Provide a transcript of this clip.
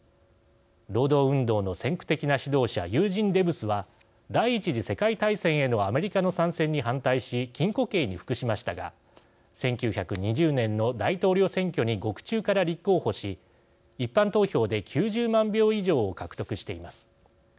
労働運動の先駆的な指導者ユージン・デブスは第１次世界大戦へのアメリカの参戦に反対し禁錮刑に服しましたが１９２０年の大統領選挙に獄中から立候補し、一般投票で９０万票以上を獲得しています。